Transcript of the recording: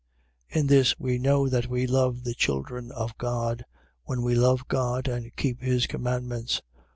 In this we know that we love the children of God: when we love God and keep his commandments.